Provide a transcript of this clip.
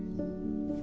ketika mereka berpikir